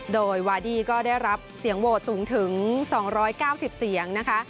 โดยวาดี้ก็ได้รับเสียงโหวตสูงถึง๒๙๐เสียงนะคะ